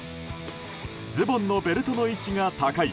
ズボンのベルトの位置が高い